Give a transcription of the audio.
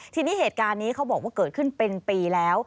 ทีนี้เหตุการณ์นี้เขาบอกว่าเกิดขึ้นเป็นปีแล้ว